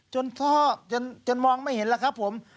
จนทอดจนมองไม่เห็นนะครับผม